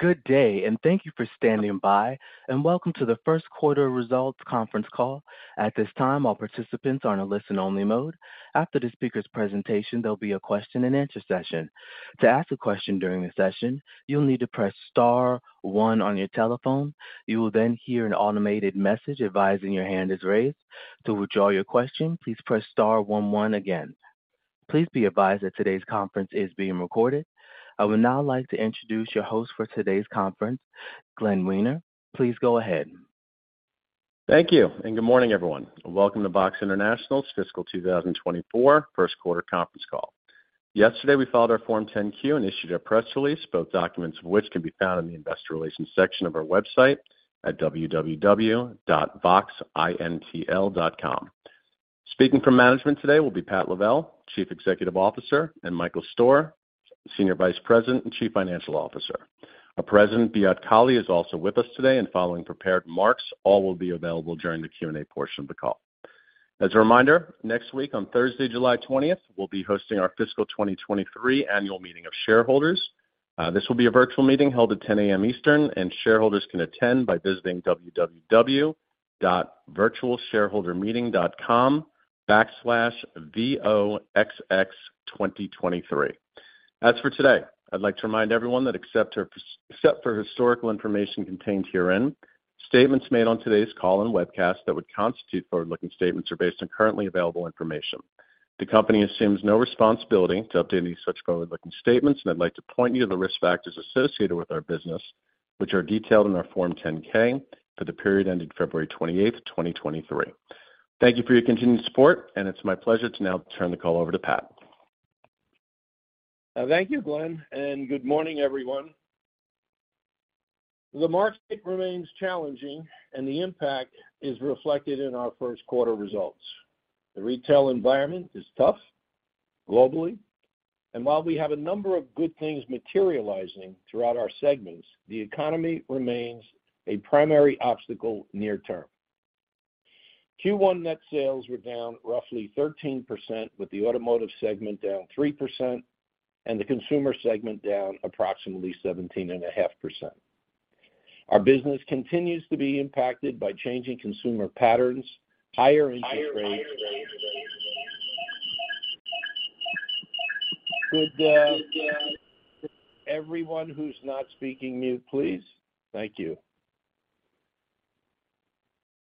Good day, and thank you for standing by, and welcome to the First Quarter Results Conference Call. At this time, all participants are on a listen-only mode. After the speaker's presentation, there'll be a question-and-answer session. To ask a question during the session, you'll need to press star one on your telephone. You will then hear an automated message advising your hand is raised. To withdraw your question, please press star one one again. Please be advised that today's conference is being recorded. I would now like to introduce your host for today's conference, Glenn Wiener. Please go ahead. Thank you, and good morning, everyone. Welcome to VOXX International's Fiscal 2024 First Quarter Conference Call. Yesterday, we filed our Form 10-Q and issued a press release, both documents of which can be found in the Investor Relations section of our website at www.voxxintl.com. Speaking from management today will be Pat Lavelle, Chief Executive Officer, and Michael Stoehr, Senior Vice President and Chief Financial Officer. Our President, Beat Kahli, is also with us today and following prepared remarks. All will be available during the Q&A portion of the call. As a reminder, next week, on Thursday, July 20th, we'll be hosting our Fiscal 2023 Annual Meeting of Shareholders. This will be a virtual meeting held at 10:00 A.M. Eastern, and shareholders can attend by visiting www.virtualshareholdermeeting.com/voxx2023. As for today, I'd like to remind everyone that except for historical information contained herein, statements made on today's call and webcast that would constitute forward-looking statements are based on currently available information. The company assumes no responsibility to update any such forward-looking statements. I'd like to point you to the risk factors associated with our business, which are detailed in our Form 10-K for the period ending February 28, 2023. Thank you for your continued support. It's my pleasure to now turn the call over to Pat. Thank you, Glenn, and good morning, everyone. The market remains challenging, and the impact is reflected in our first quarter results. The retail environment is tough globally, and while we have a number of good things materializing throughout our segments, the economy remains a primary obstacle near term. Q1 net sales were down roughly 13%, with the Automotive segment down 3% and the consumer segment down approximately 17.5%. Our business continues to be impacted by changing consumer patterns, higher interest rates. Could everyone who's not speaking, mute, please? Thank you.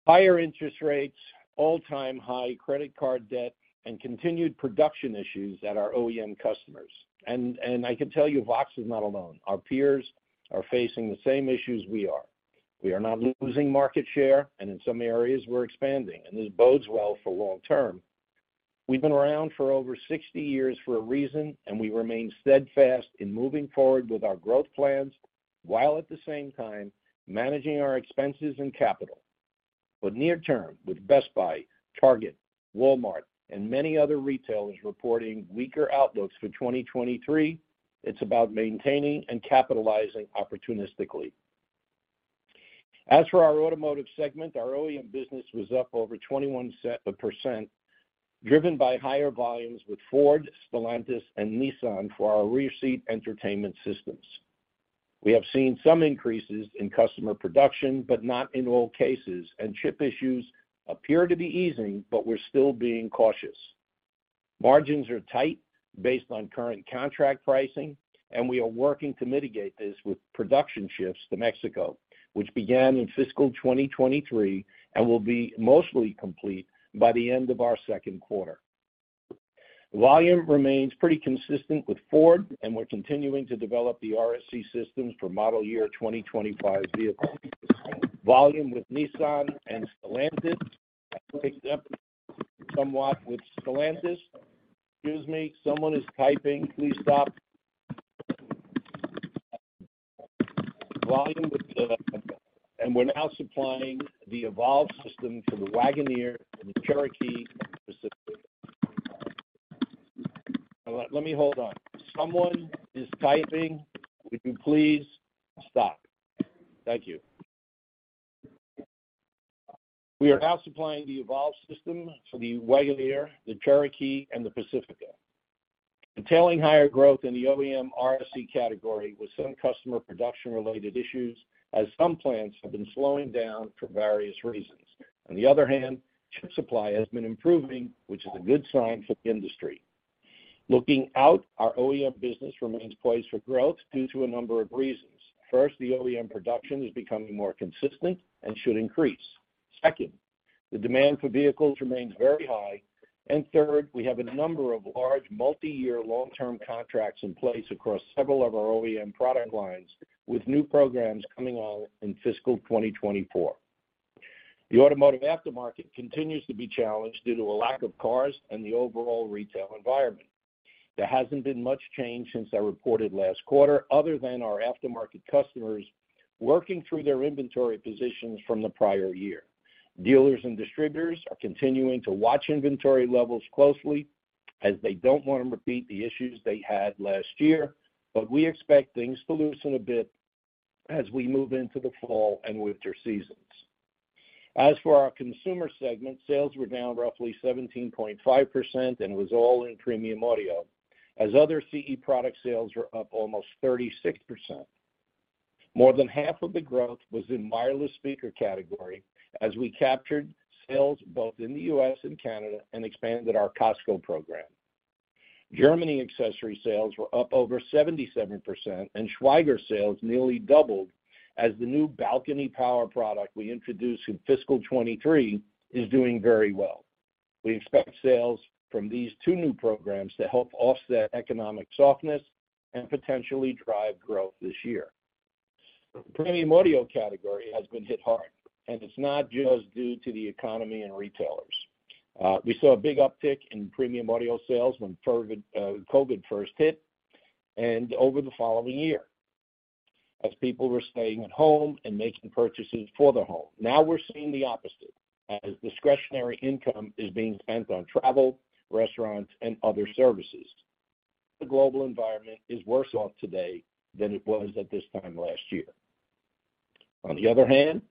Higher interest rates, all-time high credit card debt, and continued production issues at our OEM customers. I can tell you, VOXX is not alone. Our peers are facing the same issues we are. We are not losing market share, and in some areas we're expanding, and this bodes well for long term. We've been around for over 60 years for a reason, and we remain steadfast in moving forward with our growth plans while at the same time managing our expenses and capital. Near term, with Best Buy, Target, Walmart, and many other retailers reporting weaker outlooks for 2023, it's about maintaining and capitalizing opportunistically. As for our Automotive segment, our OEM business was up over 21%, driven by higher volumes with Ford, Stellantis, and Nissan for our rear seat entertainment systems. We have seen some increases in customer production, but not in all cases, and chip issues appear to be easing, but we're still being cautious. Margins are tight based on current contract pricing, and we are working to mitigate this with production shifts to Mexico, which began in fiscal 2023 and will be mostly complete by the end of our second quarter. Volume remains pretty consistent with Ford, and we're continuing to develop the RSC systems for model year 2025 vehicles. Volume with Nissan and Stellantis has picked up somewhat with Stellantis. Excuse me, someone is typing. Please stop. We're now supplying the Evolve system for the Wagoneer, the Cherokee, Pacifica. Let me hold on. Someone is typing. Would you please stop? Thank you. We are now supplying the Evolve system for the Wagoneer, the Cherokee, and the Pacifica. Entailing higher growth in the OEM RSC category with some customer production-related issues, as some plants have been slowing down for various reasons. On the other hand, chip supply has been improving, which is a good sign for the industry. Looking out, our OEM business remains poised for growth due to a number of reasons. First, the OEM production is becoming more consistent and should increase. Second, the demand for vehicles remains very high. Third, we have a number of large, multi-year, long-term contracts in place across several of our OEM product lines, with new programs coming on in fiscal 2024. The automotive aftermarket continues to be challenged due to a lack of cars and the overall retail environment. There hasn't been much change since I reported last quarter, other than our aftermarket customers working through their inventory positions from the prior year. Dealers and distributors are continuing to watch inventory levels closely, as they don't want to repeat the issues they had last year, but we expect things to loosen a bit as we move into the fall and winter seasons. For our Consumer segment, sales were down roughly 17.5% and was all in Premium Audio, as other CE product sales were up almost 36%. More than half of the growth was in wireless speaker category, as we captured sales both in the U.S. and Canada and expanded our Costco program. Germany accessory sales were up over 77%, and Schwaiger sales nearly doubled as the new balcony power product we introduced in fiscal 2023 is doing very well. We expect sales from these two new programs to help offset economic softness and potentially drive growth this year. The premium audio category has been hit hard, and it's not just due to the economy and retailers. We saw a big uptick in premium audio sales when COVID first hit, and over the following year, as people were staying at home and making purchases for their home. Now we're seeing the opposite, as discretionary income is being spent on travel, restaurants, and other services. The global environment is worse off today than it was at this time last year. On the other hand,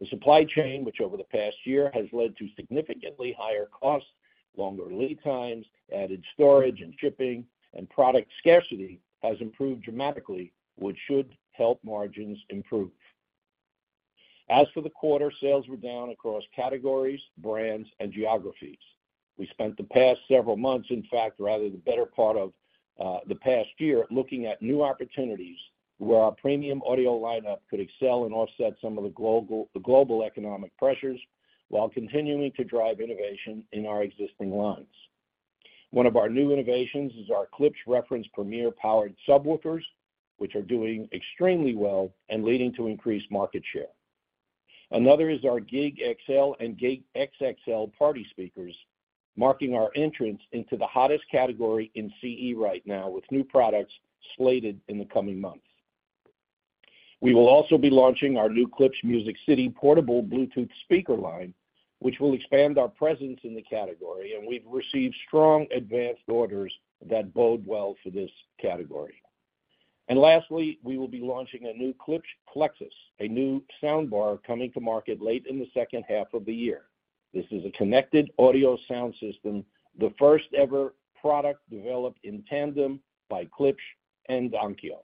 the supply chain, which over the past year has led to significantly higher costs, longer lead times, added storage and shipping, and product scarcity, has improved dramatically, which should help margins improve. As for the quarter, sales were down across categories, brands, and geographies. We spent the past several months, in fact, rather the better part of the past year, looking at new opportunities where our premium audio lineup could excel and offset some of the global economic pressures, while continuing to drive innovation in our existing lines. One of our new innovations is our Klipsch Reference Premiere powered subwoofers, which are doing extremely well and leading to increased market share. Another is our GiG XL and GiG XXL party speakers, marking our entrance into the hottest category in CE right now, with new products slated in the coming months. We will also be launching our new Klipsch Music City portable Bluetooth speaker line, which will expand our presence in the category, and we've received strong advanced orders that bode well for this category. Lastly, we will be launching a new Klipsch Flexus, a new soundbar coming to market late in the second half of the year. This is a connected audio sound system, the first ever product developed in tandem by Klipsch and Onkyo.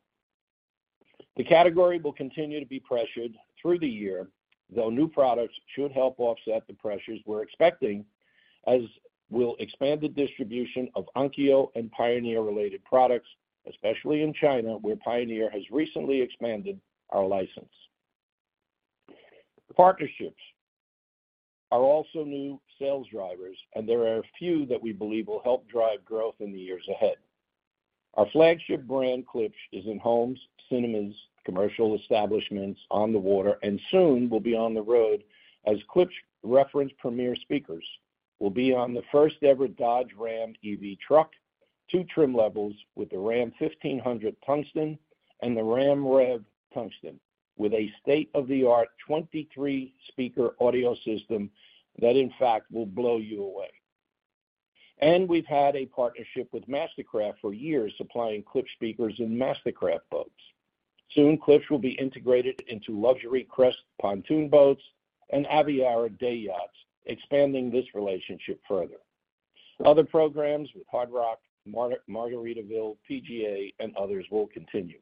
The category will continue to be pressured through the year, though new products should help offset the pressures we're expecting, as we'll expand the distribution of Onkyo and Pioneer-related products, especially in China, where Pioneer has recently expanded our license. Partnerships are also new sales drivers. There are a few that we believe will help drive growth in the years ahead. Our flagship brand, Klipsch, is in homes, cinemas, commercial establishments, on the water, and soon will be on the road as Klipsch Reference Premiere speakers will be on the first ever Dodge Ram EV truck, two trim levels with the Ram 1500 Tungsten and the Ram REV Tungsten, with a state-of-the-art 23-speaker audio system that in fact, will blow you away. We've had a partnership with MasterCraft for years, supplying Klipsch speakers in MasterCraft boats. Soon, Klipsch will be integrated into luxury Crest pontoon boats and Aviara day yachts, expanding this relationship further. Other programs with Hard Rock, Margaritaville, PGA, and others will continue.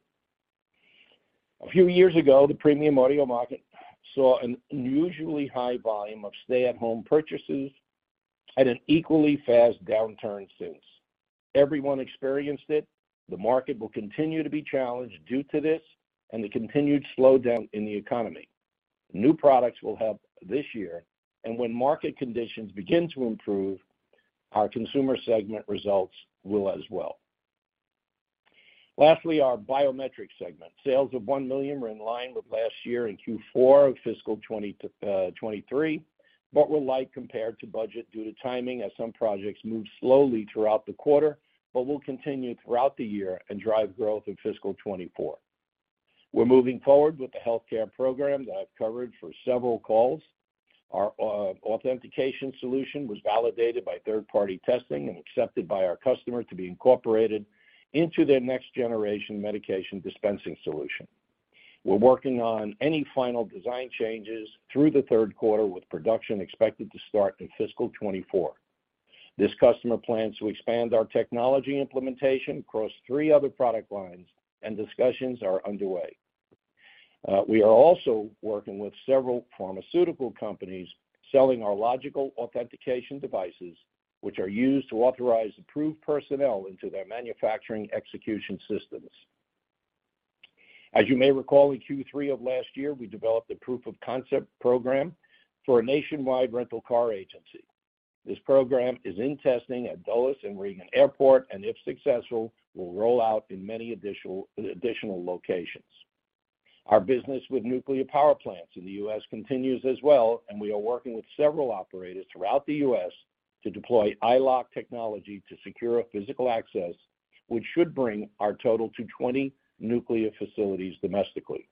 A few years ago, the premium audio market saw an unusually high volume of stay-at-home purchases and an equally fast downturn since. Everyone experienced it. The market will continue to be challenged due to this and the continued slowdown in the economy. New products will help this year, and when market conditions begin to improve, our Consumer segment results will as well. Lastly, our Biometric segment. Sales of $1 million were in line with last year in Q4 of fiscal 2023, but were light compared to budget due to timing, as some projects moved slowly throughout the quarter, but will continue throughout the year and drive growth in fiscal 2024. We're moving forward with the healthcare program that I've covered for several calls. Our authentication solution was validated by third-party testing and accepted by our customer to be incorporated into their next-generation medication dispensing solution. We're working on any final design changes through the third quarter, with production expected to start in fiscal 2024. This customer plans to expand our technology implementation across three other product lines, and discussions are underway. We are also working with several pharmaceutical companies selling our logical authentication devices, which are used to authorize approved personnel into their manufacturing execution systems. As you may recall, in Q3 of last year, we developed a proof of concept program for a nationwide rental car agency. This program is in testing at Dulles and Reagan Airport, and if successful, will roll out in many additional locations. Our business with nuclear power plants in the U.S. continues as well, and we are working with several operators throughout the U.S. to deploy EyeLock technology to secure physical access, which should bring our total to 20 nuclear facilities domestically.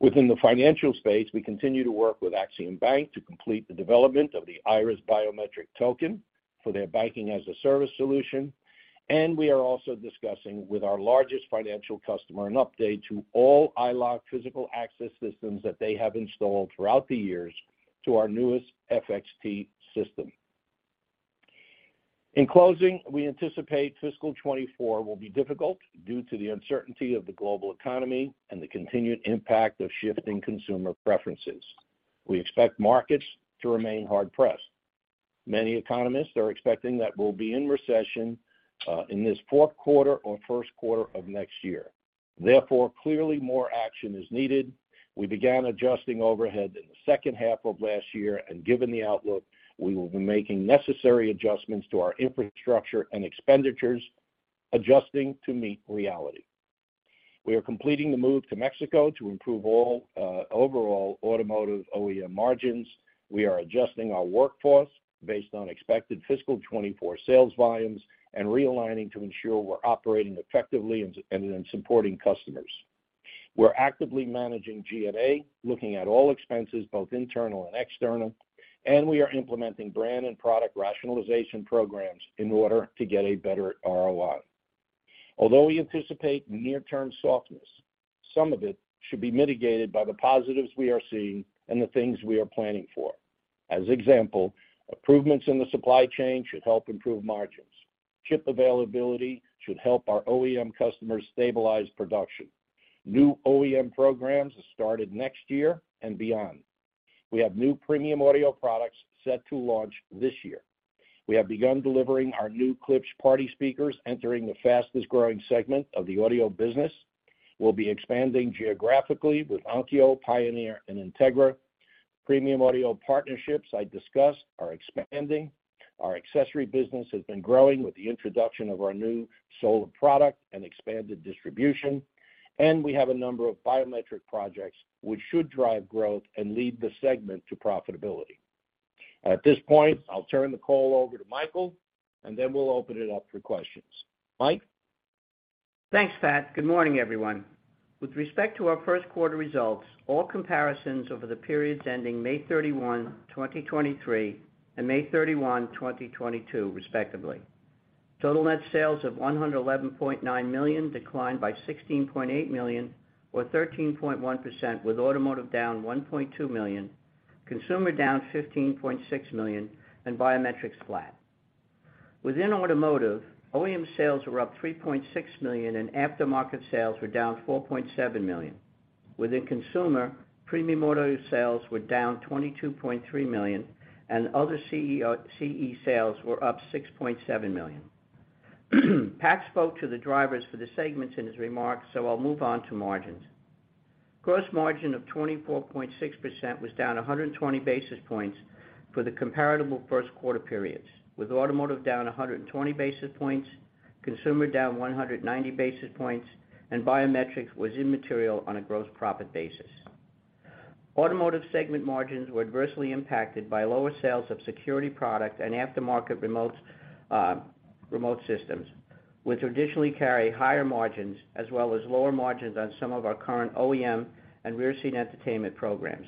Within the financial space, we continue to work with Axiom Bank to complete the development of the IRIS biometric token. for their banking as a service solution. We are also discussing with our largest financial customer an update to all EyeLock physical access systems that they have installed throughout the years to our newest FXT system. In closing, we anticipate fiscal 2024 will be difficult due to the uncertainty of the global economy and the continued impact of shifting consumer preferences. We expect markets to remain hard-pressed. Many economists are expecting that we'll be in recession in this fourth quarter or first quarter of next year. Therefore, clearly more action is needed. We began adjusting overhead in the second half of last year, and given the outlook, we will be making necessary adjustments to our infrastructure and expenditures, adjusting to meet reality. We are completing the move to Mexico to improve all overall automotive OEM margins. We are adjusting our workforce based on expected fiscal 2024 sales volumes and realigning to ensure we're operating effectively and supporting customers. We're actively managing G&A, looking at all expenses, both internal and external. We are implementing brand and product rationalization programs in order to get a better ROI. Although we anticipate near-term softness, some of it should be mitigated by the positives we are seeing and the things we are planning for. As example, improvements in the supply chain should help improve margins. Chip availability should help our OEM customers stabilize production. New OEM programs are started next year and beyond. We have new premium audio products set to launch this year. We have begun delivering our new Klipsch party speakers, entering the fastest-growing segment of the audio business. We'll be expanding geographically with Onkyo, Pioneer, and Integra. Premium audio partnerships I discussed are expanding. Our accessory business has been growing with the introduction of our new solar product and expanded distribution, and we have a number of biometric projects which should drive growth and lead the segment to profitability. At this point, I'll turn the call over to Michael, and then we'll open it up for questions. Mike? Thanks, Pat. Good morning, everyone. With respect to our first quarter results, all comparisons over the periods ending May 31, 2023, and May 31, 2022, respectively. Total net sales of $111.9 million declined by $16.8 million, or 13.1%, with Automotive down $1.2 million, Consumer down $15.6 million, and Biometrics flat. Within Automotive, OEM sales were up $3.6 million, and aftermarket sales were down $4.7 million. Within Consumer, premium auto sales were down $22.3 million, and other CE sales were up $6.7 million. Pat spoke to the drivers for the segments in his remarks. I'll move on to margins. Gross margin of 24.6% was down 120 basis points for the comparable first quarter periods, with Automotive down 120 basis points, Consumer down 190 basis points. Biometrics was immaterial on a gross profit basis. Automotive segment margins were adversely impacted by lower sales of security product and aftermarket remotes, remote systems, which traditionally carry higher margins, as well as lower margins on some of our current OEM and rear seat entertainment programs.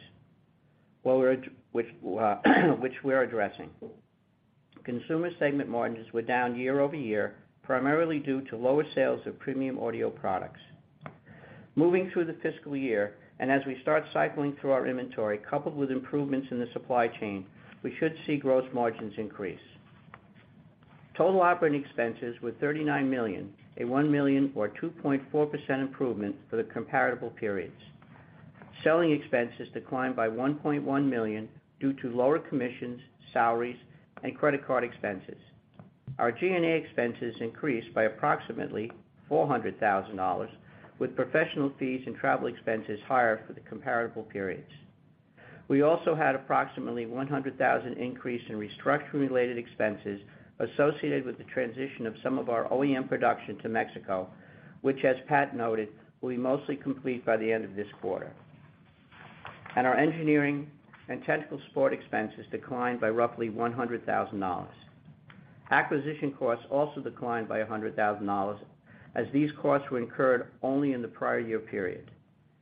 Which we're addressing. Consumer segment margins were down year-over-year, primarily due to lower sales of Premium Audio products. Moving through the fiscal year, as we start cycling through our inventory, coupled with improvements in the supply chain, we should see gross margins increase. Total operating expenses were $39 million, a $1 million or 2.4% improvement for the comparable periods. Selling expenses declined by $1.1 million due to lower commissions, salaries, and credit card expenses. Our G&A expenses increased by approximately $400,000, with professional fees and travel expenses higher for the comparable periods. We also had approximately $100,000 increase in restructuring-related expenses associated with the transition of some of our OEM production to Mexico, which, as Pat noted, will be mostly complete by the end of this quarter. Our engineering and technical support expenses declined by roughly $100,000. Acquisition costs also declined by $100,000, as these costs were incurred only in the prior year period.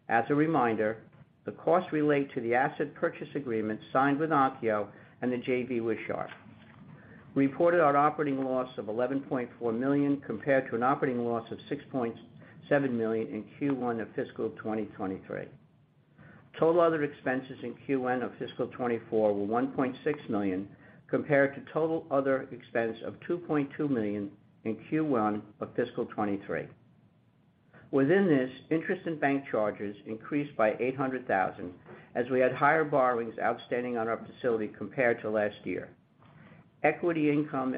As a reminder, the costs relate to the asset purchase agreement signed with Onkyo and the JV with Sharp. We reported our operating loss of $11.4 million, compared to an operating loss of $6.7 million in Q1 of fiscal 2023. Total other expenses in Q1 of fiscal 2024 were $1.6 million, compared to total other expense of $2.2 million in Q1 of fiscal 2023. Within this, interest and bank charges increased by $800,000, as we had higher borrowings outstanding on our facility compared to last year. Equity income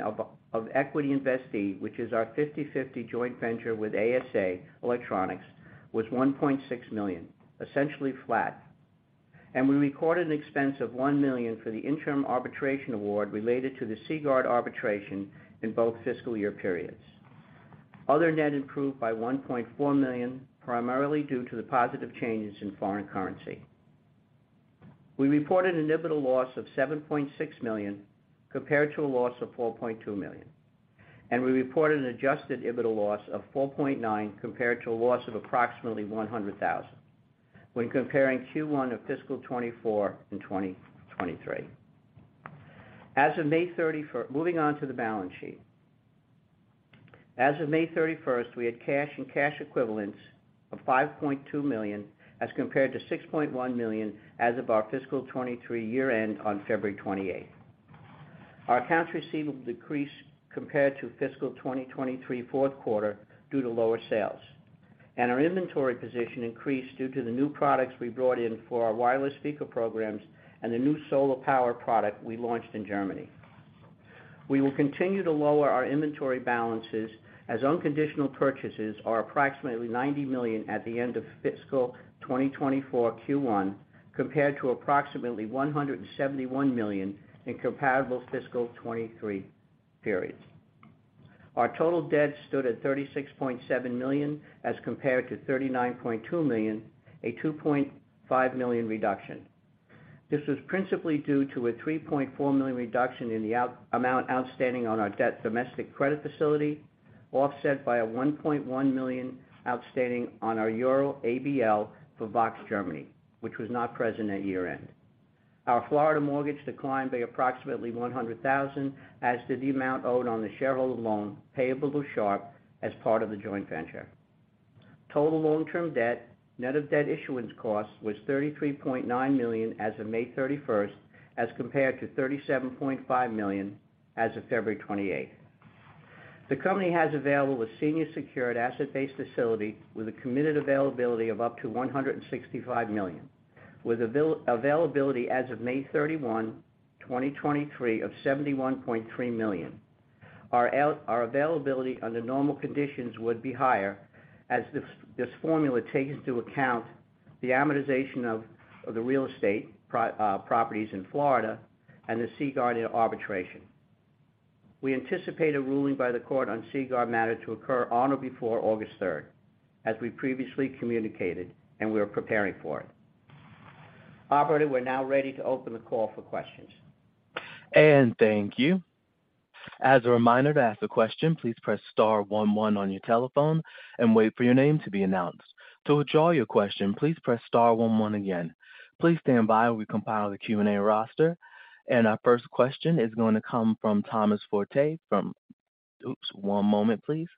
of equity investee, which is our 50/50 joint venture with ASA Electronics, was $1.6 million, essentially flat. We recorded an expense of $1 million for the interim arbitration award related to the Seaguard arbitration in both fiscal year periods. Other net improved by $1.4 million, primarily due to the positive changes in foreign currency. We reported an EBITDA loss of $7.6 million, compared to a loss of $4.2 million. We reported an adjusted EBITDA loss of $4.9 million, compared to a loss of approximately $100,000 when comparing Q1 of fiscal 2024 and 2023. Moving on to the balance sheet. As of May 31st, we had cash and cash equivalents of $5.2 million, as compared to $6.1 million as of our fiscal 2023 year-end on February 28th. Our accounts receivable decreased compared to fiscal 2023 fourth quarter due to lower sales. Our inventory position increased due to the new products we brought in for our wireless speaker programs and the new solar power product we launched in Germany. We will continue to lower our inventory balances as unconditional purchases are approximately $90 million at the end of fiscal 2024 Q1, compared to approximately $171 million in comparable fiscal 2023 periods. Our total debt stood at $36.7 million, as compared to $39.2 million, a $2.5 million reduction. This was principally due to a $3.4 million reduction in the amount outstanding on our debt domestic credit facility, offset by 1.1 million outstanding on our Euro ABL for VOXX Germany, which was not present at year-end. Our Florida mortgage declined by approximately $100,000, as did the amount owed on the shareholder loan payable to Sharp as part of the joint venture. Total long-term debt, net of debt issuance costs, was $33.9 million as of May 31st, as compared to $37.5 million as of February 28th. The company has available a senior secured asset-based facility with a committed availability of up to $165 million, with availability as of May 31, 2023, of $71.3 million. Our availability under normal conditions would be higher, as this formula takes into account the amortization of the real estate properties in Florida and the Seaguard arbitration. We anticipate a ruling by the court on Seaguard matter to occur on or before August 3rd, as we previously communicated. We are preparing for it. Operator, we are now ready to open the call for questions. Thank you. As a reminder, to ask a question, please press star one one on your telephone and wait for your name to be announced. To withdraw your question, please press star one one again. Please stand by while we compile the Q&A roster. Our first question is going to come from Thomas Forte from... Oops, one moment, please.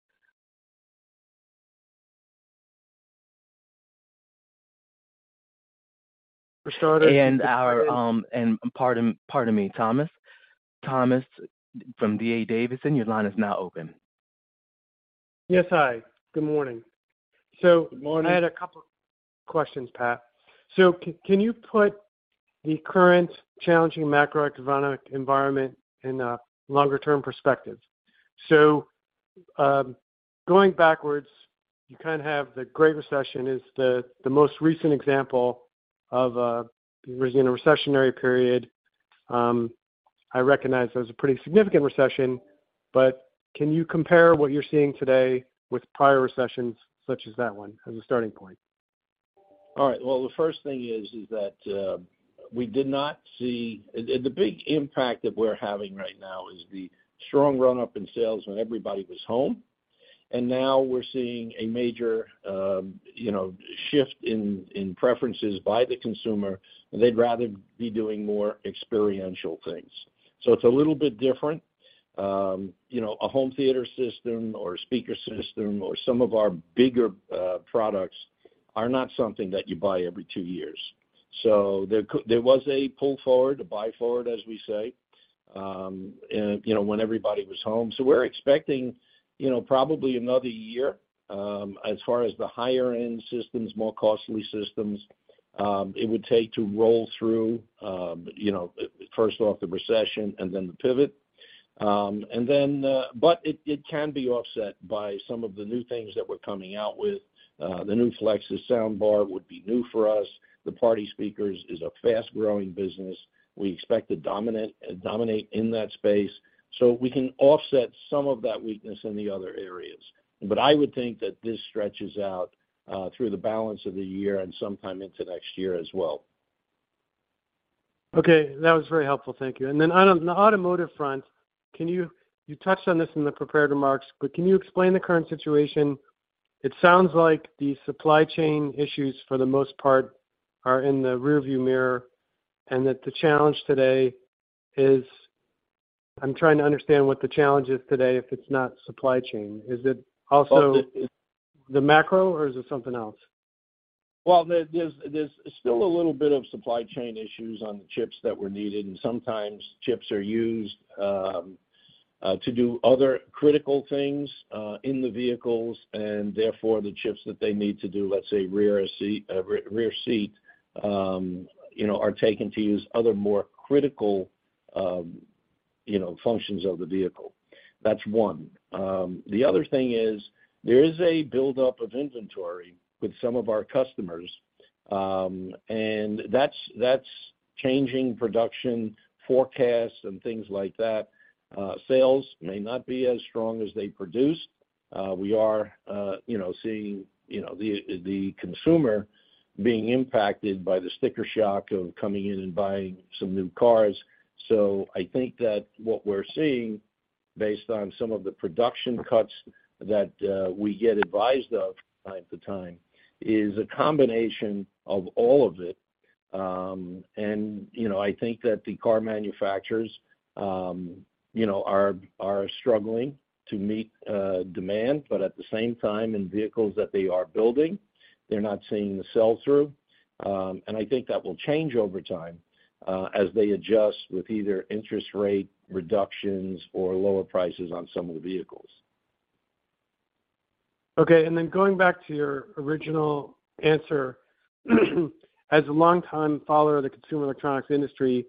Start over. Thomas from D.A. Davidson, your line is now open. Yes, hi. Good morning. Good morning. I had a couple questions, Pat. Can you put the current challenging macroeconomic environment in a longer-term perspective? Going backwards, you kind of have the Great Recession is the most recent example of a recessionary period. I recognize that was a pretty significant recession. Can you compare what you're seeing today with prior recessions, such as that one, as a starting point? All right. Well, the first thing is that we did not see. The big impact that we're having right now is the strong run-up in sales when everybody was home. Now we're seeing a major, you know, shift in preferences by the consumer, and they'd rather be doing more experiential things. It's a little bit different. You know, a home theater system or a speaker system or some of our bigger products are not something that you buy every two years. There was a pull forward, a buy forward, as we say, you know, when everybody was home. We're expecting, you know, probably another year, as far as the higher-end systems, more costly systems, it would take to roll through, you know, first off, the recession and then the pivot. It can be offset by some of the new things that we're coming out with. The new Flexus Soundbar would be new for us. The party speakers is a fast-growing business. We expect to dominate in that space, so we can offset some of that weakness in the other areas. I would think that this stretches out through the balance of the year and sometime into next year as well. Okay. That was very helpful. Thank you. On the automotive front, you touched on this in the prepared remarks, but can you explain the current situation? It sounds like the supply chain issues, for the most part, are in the rearview mirror. I'm trying to understand what the challenge is today, if it's not supply chain. Is it also- Well, the macro, or is it something else? There's still a little bit of supply chain issues on the chips that were needed, and sometimes chips are used to do other critical things in the vehicles, and therefore, the chips that they need to do, let's say, rear seat, rear seat, you know, are taken to use other, more critical, you know, functions of the vehicle. That's one. The other thing is, there is a buildup of inventory with some of our customers, and that's changing production forecasts and things like that. Sales may not be as strong as they produced. We are, you know, seeing, you know, the consumer being impacted by the sticker shock of coming in and buying some new cars. I think that what we're seeing.... based on some of the production cuts that we get advised of time to time, is a combination of all of it. I think that the car manufacturers are struggling to meet demand, but at the same time, in vehicles that they are building, they're not seeing the sell-through. I think that will change over time, as they adjust with either interest rate reductions or lower prices on some of the vehicles. Going back to your original answer, as a longtime follower of the consumer electronics industry,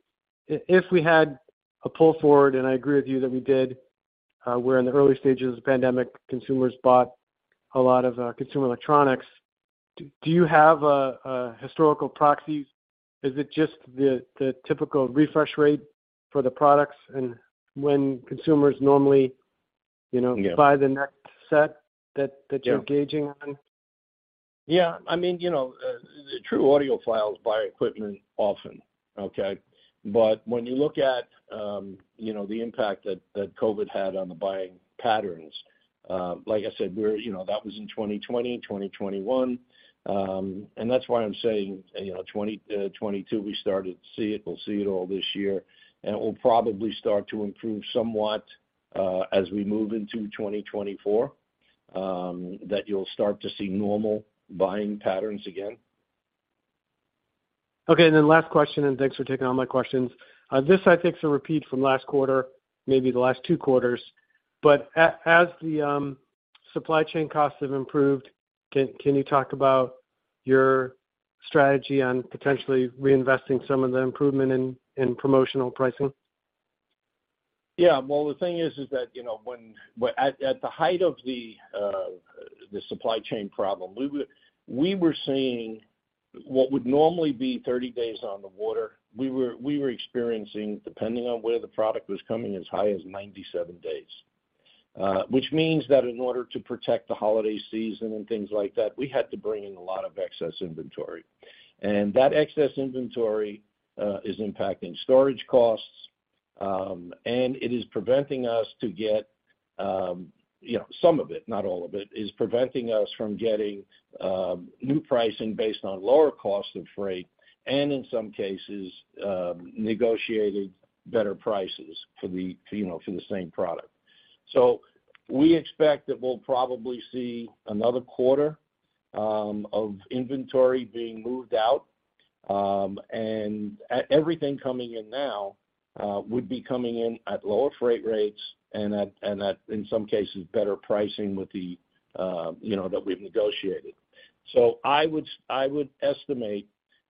if we had a pull forward, and I agree with you that we did, we're in the early stages of the pandemic, consumers bought a lot of consumer electronics. Do you have a historical proxies? Is it just the typical refresh rate for the products and when consumers normally, you know? Yeah. buy the next set that, Yeah. that you're gauging on? Yeah. I mean, you know, true audiophiles buy equipment often, okay? When you look at, you know, the impact that COVID had on the buying patterns, like I said, you know, that was in 2020, 2021. That's why I'm saying, you know, 2022, we started to see it. We'll see it all this year, and it will probably start to improve somewhat, as we move into 2024, that you'll start to see normal buying patterns again. Okay. Last question. Thanks for taking all my questions. This I think, is a repeat from last quarter, maybe the last two quarters. As the supply chain costs have improved, can you talk about your strategy on potentially reinvesting some of the improvement in promotional pricing? Yeah. Well, the thing is that, you know, when, at the height of the supply chain problem, we were seeing what would normally be 30 days on the water. We were experiencing, depending on where the product was coming, as high as 97 days. Which means that in order to protect the holiday season and things like that, we had to bring in a lot of excess inventory. That excess inventory is impacting storage costs, and it is preventing us to get, you know, some of it, not all of it, is preventing us from getting new pricing based on lower costs of freight, and in some cases, negotiated better prices for the same product. We expect that we'll probably see another quarter of inventory being moved out. Everything coming in now would be coming in at lower freight rates and at, in some cases, better pricing with the, you know, that we've negotiated. I would estimate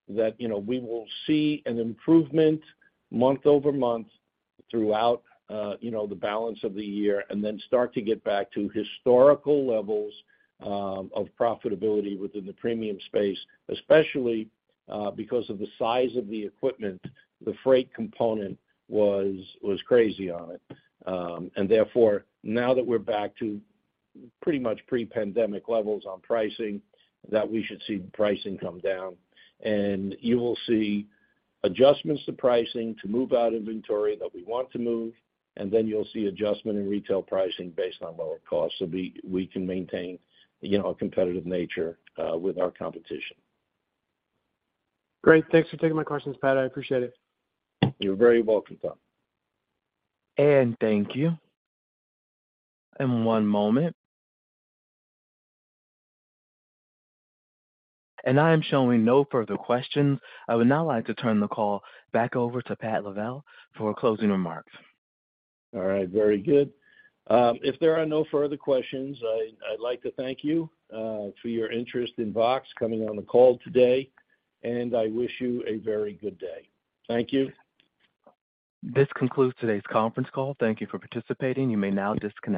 that, you know, we will see an improvement month-over-month throughout, you know, the balance of the year, and then start to get back to historical levels of profitability within the premium space, especially because of the size of the equipment, the freight component was crazy on it. Therefore, now that we're back to pretty much pre-pandemic levels on pricing, that we should see the pricing come down. You will see adjustments to pricing to move out inventory that we want to move, and then you'll see adjustment in retail pricing based on lower costs. We can maintain, you know, a competitive nature with our competition. Great. Thanks for taking my questions, Pat. I appreciate it. You're very welcome, Tom. Thank you. One moment. I am showing no further questions. I would now like to turn the call back over to Pat Lavelle for closing remarks. All right. Very good. If there are no further questions, I'd like to thank you for your interest in VOXX coming on the call today, and I wish you a very good day. Thank you. This concludes today's conference call. Thank Thank you for participating. You may now disconnect.